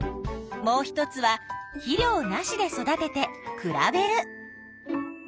もう一つは「肥料なし」で育てて比べる。